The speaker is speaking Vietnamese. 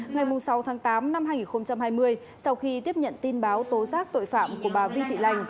ngày sáu tháng tám năm hai nghìn hai mươi sau khi tiếp nhận tin báo tố giác tội phạm của bà vi thị lành